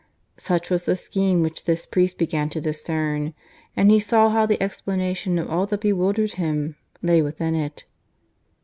Such was the scheme which this priest began to discern; and he saw how the explanation of all that bewildered him lay within it.